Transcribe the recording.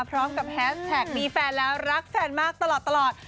พร้อมกับแฮสแท็กมีแฟนแล้วรักแฟนมากตลอด